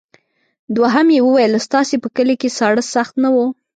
دوهم یې وویل ستاسې په کلي کې ساړه سخت نه وو.